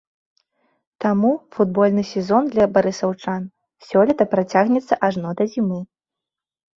Таму футбольны сезон для барысаўчан сёлета працягнецца ажно да зімы.